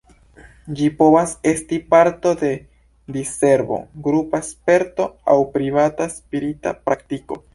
Ĝi povas esti parto de diservo, grupa sperto aŭ privata spirita praktiko.